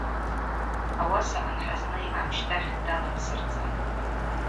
Ауаса анхӏызний амщтахь даладсырцӏатӏ.